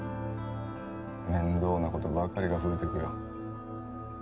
面倒なことばかりが増えてくよ